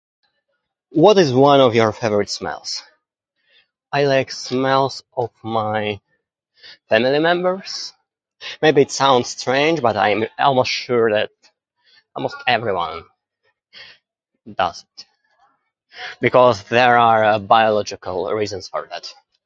What is one of your favorite smells? I like smells of my family members, maybe it sounds strange but I'm almost sure that almost everyone does it, because there are a biological reasons for that.